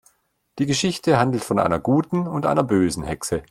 Die Geschichte handelt von einer guten und einer bösen Hexe.